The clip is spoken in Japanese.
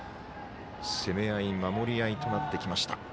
攻め合い、守り合いとなってきました。